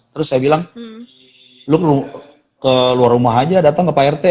terus saya bilang lu keluar rumah aja datang ke pak rt